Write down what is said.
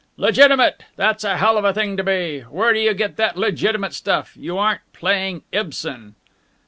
"Legitimate! That's a hell of a thing to be! Where do you get that legitimate stuff? You aren't playing Ibsen!"